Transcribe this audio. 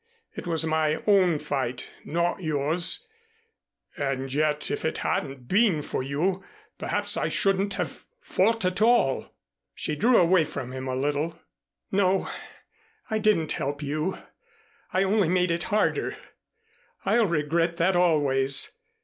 It was my own fight not yours. And yet if it hadn't been for you, perhaps I shouldn't have fought at all." She drew away from him a little. "No I didn't help you. I only made it harder. I'll regret that always.